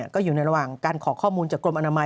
ก็อยู่ในระหว่างการขอข้อมูลจากกรมอนามัย